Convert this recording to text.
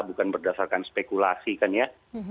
bukan berdasarkan spekulasi kan ya